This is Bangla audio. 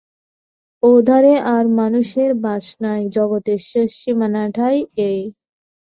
ও-ধারে আর মানুষের বাস নাই, জগতের শেষ সীমাটাই এই।